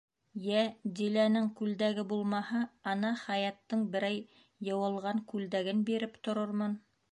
— Йә, Диләнең күлдәге булмаһа, ана, Хаяттың берәй йыуылған күлдәген биреп торормон.